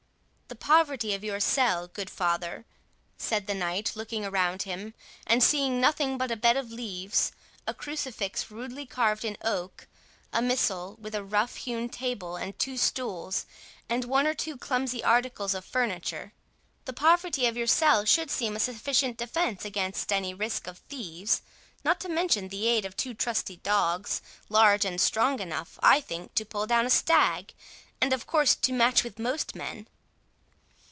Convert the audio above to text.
"The poverty of your cell, good father," said the knight, looking around him, and seeing nothing but a bed of leaves, a crucifix rudely carved in oak, a missal, with a rough hewn table and two stools, and one or two clumsy articles of furniture—"the poverty of your cell should seem a sufficient defence against any risk of thieves, not to mention the aid of two trusty dogs, large and strong enough, I think, to pull down a stag, and of course, to match with most men."